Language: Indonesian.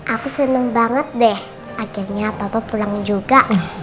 aku senang banget deh akhirnya papa pulang juga